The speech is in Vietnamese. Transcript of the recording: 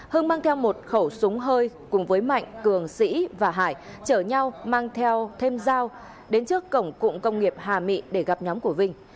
hưng mang theo một khẩu súng hơi cùng với mạnh cường sĩ và hải chở nhau mang theo thêm dao đến trước cổng cụm công nghiệp hà mị để gặp nhóm của vinh